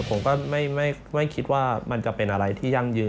ผมก็ไม่คิดว่ามันจะเป็นอะไรที่ยั่งยืน